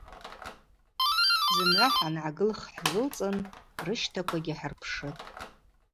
Зымгӏва хӏнгӏагылх хӏджвылцӏын рыщтаквагьи хӏырпшытӏ.